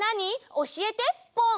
おしえてポン！